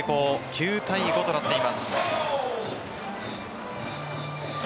９対５となっています。